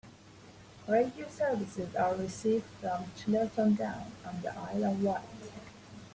Radio services are received from Chillerton Down, on the Isle of Wight.